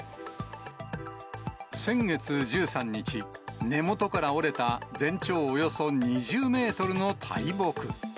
先月１３日、根元から折れた全長およそ２０メートルの大木。